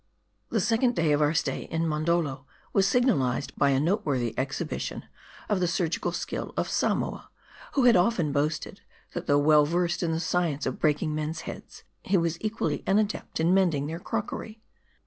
THE second day of our stay in Mondoldo was signalized by a noteworthy exhibition of the surgical skill of Samoa ; who had often boasted, that though well versed in the science of breaking men's heads, he was equally an adept in mending their crockery.